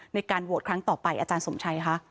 ในการโหวตครั้งต่อไปอาจารย์สมชัยคะ